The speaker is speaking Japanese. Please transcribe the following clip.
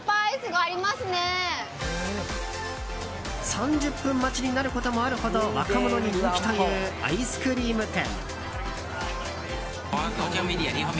３０分待ちになることもあるほど若者に人気というアイスクリーム店。